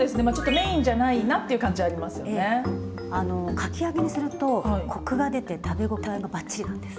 かき揚げにするとコクが出て食べ応えがバッチリなんです。